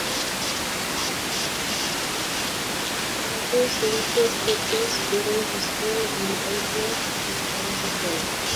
Roger's legal status during his rule in Antioch is uncertain.